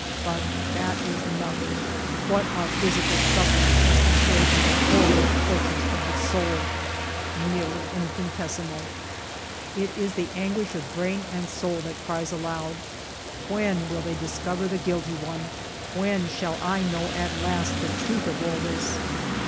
But that is nothing ! What are physical sufferings as compared to the horrible tortures of the soul ? Merely infinitesimal. It is the anguish of brain and soul that cries aloud. When will thev dis cover the guilty one ; when shall I know at last the truth of all this